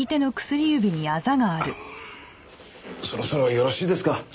あのそろそろよろしいですか？